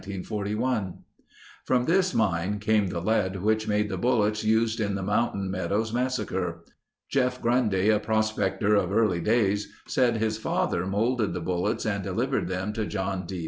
From this mine came the lead which made the bullets used in the Mountain Meadows massacre. Jeff Grundy, a prospector of early days, said his father molded the bullets and delivered them to John D.